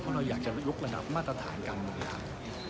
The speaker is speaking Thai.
เพราะเราอยากจะยกระดับมาตรฐานการบริหาร